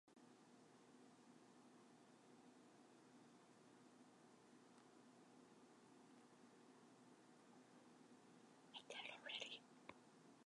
However, the building is rich in history.